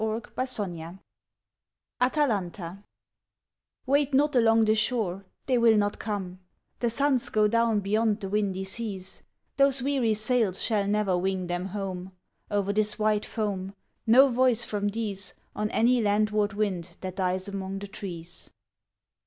ATALANTA Wait not along the shore, they will not come; The suns go down beyond the windy seas, Those weary sails shall never wing them home O'er this white foam; No voice from these On any landward wind that dies among the trees.